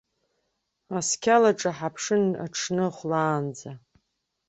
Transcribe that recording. Асқьалаҿы ҳаԥшын аҽны хәлаанӡа.